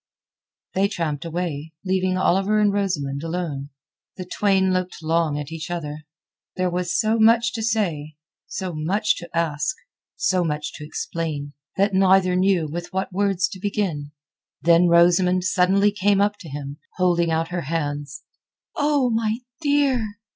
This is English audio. They tramped away, leaving Oliver and Rosamund alone. The twain looked long each at the other. There was so much to say, so much to ask, so much to explain, that neither knew with what words to begin. Then Rosamund suddenly came up to him, holding out her hands. "Oh, my dear!"